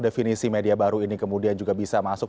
definisi media baru ini kemudian juga bisa masuk